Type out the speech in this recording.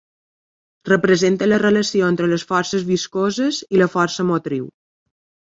Representa la relació entre les forces viscoses i la força motriu.